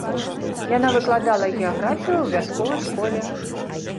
Яна выкладала геаграфію ў вясковай школе.